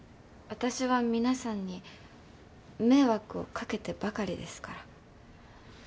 私は皆さんに迷惑をかけてばかりですから。